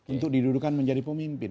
untuk didudukan menjadi pemimpin